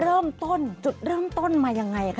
เริ่มต้นจุดเริ่มต้นมายังไงคะ